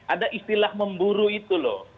ada istilah memburu itu loh